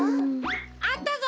あったぞ！